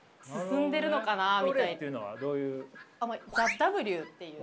ＴＨＥＷっていう。